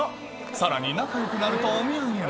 さらに仲よくなるとお土産も。